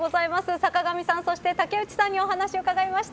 坂上さん、竹内さんにお話を伺いました。